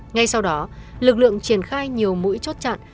ngay sau đó lực lượng triển khai nhiều mũi chốt chặn